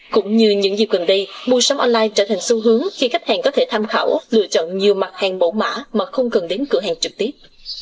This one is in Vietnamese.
cũng như những dịp gần đây mua sắm online trở thành xu hướng khi khách hàng có thể tham khảo lựa chọn nhiều mặt hàng mẫu mã mà không cần đến cửa hàng trực tiếp